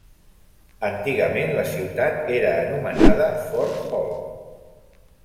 Antigament la ciutat era anomenada Fort Hall.